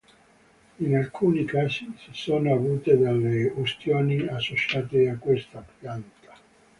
In alcuni casi si sono avute delle ustioni associate a questa pianta.